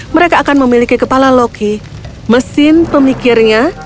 mereka akan memiliki kepala loki mesin pemikirnya